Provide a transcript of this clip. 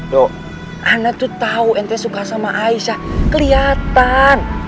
do ana tuh tau ente suka sama aisyah keliatan